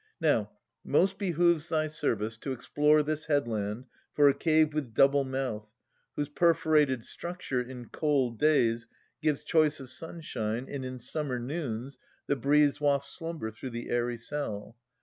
Now most behoves thy service, to explore This headland for a cave with double mouth, Whose perforated structure, in cold days, Gives choice of sunshine, and in summer noons The breeze wafts slumber through the airy cell.